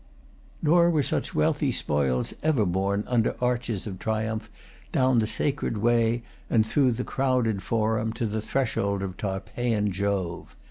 Nor were such wealthy spoils ever borne under arches of triumph, down the Sacred Way, and through the crowded Forum, to the threshold of Tarpeian Jove.